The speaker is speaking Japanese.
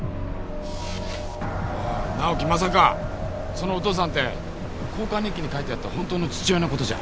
直季まさかそのお父さんって交換日記に書いてあった本当の父親のことじゃ？